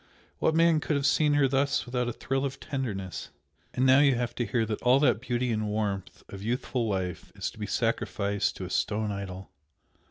What man could have seen her thus without a thrill of tenderness! and now you have to hear that all that beauty and warmth of youthful life is to be sacrificed to a stone idol!